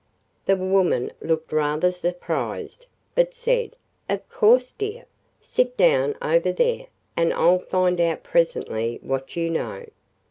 The woman looked rather surprised but said, "Of course, dear! Sit down over there and I 'll find out presently what you know."